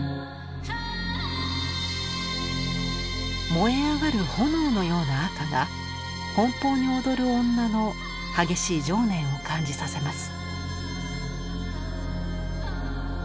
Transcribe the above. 燃え上がる炎のような赤が奔放に踊る女の激しい情念を感じさせます。